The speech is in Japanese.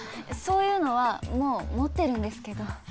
そういうのはもう持ってるんですけど。